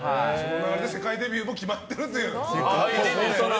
世界デビューも決まっているという。